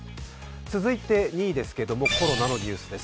続いて２位ですけれどもコロナのニュースです。